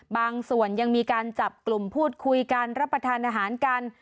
บางส่วนยังมีการจับกลุ่มพูดคุยกันรับประทานอาหารกัน